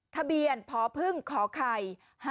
ทะเบียนพพึ่งขไข่๕๔๖๐